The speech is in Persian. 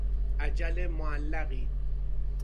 اجل معلقی